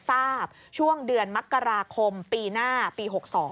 ทราบช่วงเดือนมกราคมปีหน้าปี๖๒